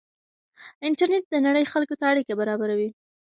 انټرنېټ د نړۍ خلکو ته اړیکه برابروي.